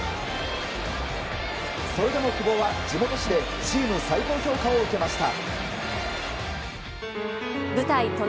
それでも久保は地元紙でチーム最高評価を受けました。